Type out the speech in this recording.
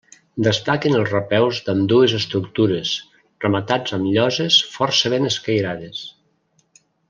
Destaquen els repeus d'ambdues estructures, rematats amb lloses força ben escairades.